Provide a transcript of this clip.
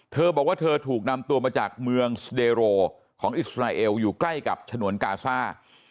เธอบอกว่าเธอถูกนำตัวมาจากเมืองสเดโรของอิสราเอลอยู่ใกล้กับฉนวนกาซ่า